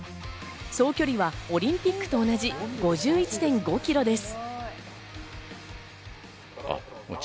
総距離はオリンピックと同じ５１．５キロです。